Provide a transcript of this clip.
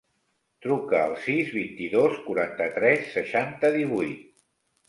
Truca al sis, vint-i-dos, quaranta-tres, seixanta, divuit.